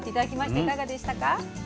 いかがでしたか？